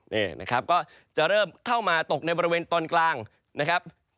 นี่นะครับก็จะเริ่มเข้ามาตกในบริเวณตอนกลางนะครับ